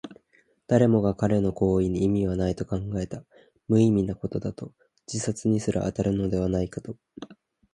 誰もが彼の行為に意味はないと考えた。無意味なことだと、自殺にすら当たるのではないかと。